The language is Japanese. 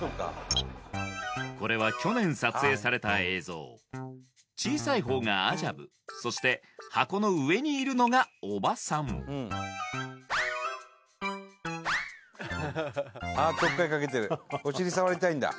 これは去年撮影された映像小さいほうがアジャブそして箱の上にいるのがおばさんああちょっかいかけてるお尻触りたいんだ